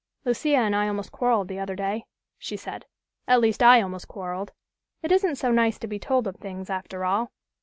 "Lucia and I almost quarrelled the other day," she said "at least, I almost quarrelled. It isn't so nice to be told of things, after all.